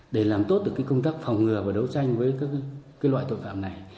để làm tốt được công tác phòng ngừa và đấu tranh với các loại tội phạm này